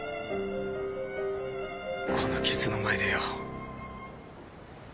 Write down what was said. この傷の前でよ。